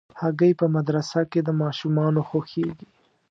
هګۍ په مدرسه کې د ماشومانو خوښېږي.